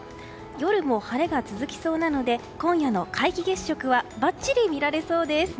夜も晴れが続きそうなので今夜の皆既月食はばっちり見られそうです。